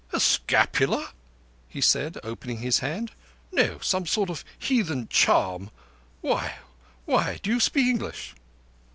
"A scapular," said he, opening his hand. "No, some sort of heathen charm. Why—why, do you speak English?